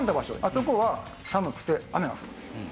あそこは寒くて雨が降るんですよ。